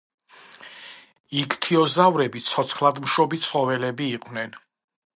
იქთიოზავრები ცოცხლადმშობი ცხოველები იყვნენ.